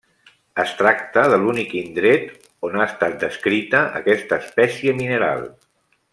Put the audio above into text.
Es tracta de l'únic indret on ha estat descrita aquesta espècie mineral.